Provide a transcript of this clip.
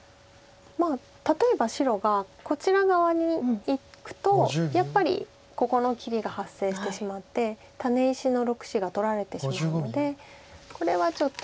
例えば白がこちら側にいくとやっぱりここの切りが発生してしまってタネ石の６子が取られてしまうのでこれはちょっと。